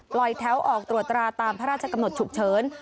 แถวออกตรวจตราตามพระราชกำหนดฉุกเฉิน